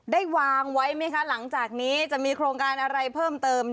วางไว้ไหมคะหลังจากนี้จะมีโครงการอะไรเพิ่มเติม